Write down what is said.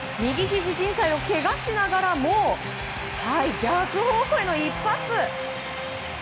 じん帯をけがしながらも逆方向への一発。